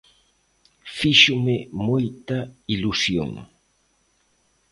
Fíxome moita ilusión.